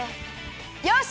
よし！